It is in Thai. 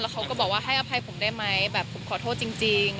เขาก็บอกว่าให้อภัยผมได้ไหมแบบผมขอโทษจริง